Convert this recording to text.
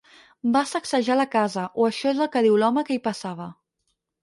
Va sacsejar la casa, o això és el que diu l'home que hi passava.